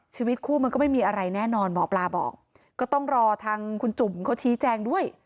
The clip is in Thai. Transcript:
ชีวิตคู่มันก็ไม่มีอะไรแน่นอนหมอปลาบอกก็ต้องรอทางคุณจุ่มเขาชี้แจงด้วย